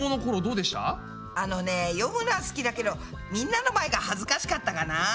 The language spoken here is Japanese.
あのね読むのは好きだけどみんなの前がはずかしかったかな。